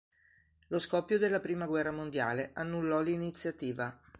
Lo scoppio della prima guerra mondiale annullò l'iniziativa.